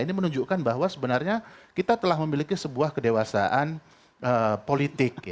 ini menunjukkan bahwa sebenarnya kita telah memiliki sebuah kedewasaan politik